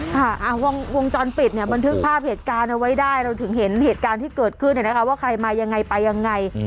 ค่ะวงจรปิดเนี่ยบันทึกภาพเหตุการณ์เอาไว้ได้เราถึงเห็นเหตุการณ์ที่เกิดขึ้นว่าใครมายังไงไปยังไง